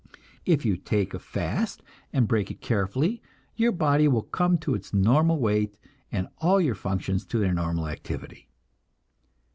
If you take a fast and break it carefully, your body will come to its normal weight, and all your functions to their normal activity.